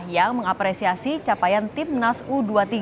yang mengapresiasi capaian timnas u dua puluh tiga